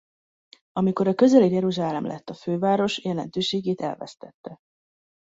Amikor a közeli Jeruzsálem lett a főváros jelentőségét elvesztette.